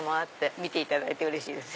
見ていただいてうれしいです。